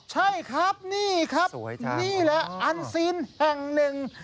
ใช่ครับนี่ครับนี่แหละอันซีนแห่งหนึ่ง